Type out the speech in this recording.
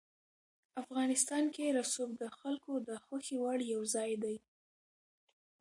افغانستان کې رسوب د خلکو د خوښې وړ یو ځای دی.